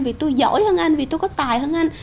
vì tôi giỏi hơn anh vì tôi có tài hơn anh